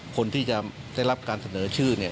คนที่จะได้รับการเสนอชื่อ